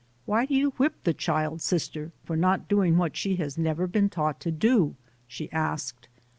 "Why do you whip the child, sister, for not doing what she has never been taught to do?" she asked.